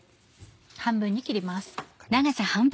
半分に切ります。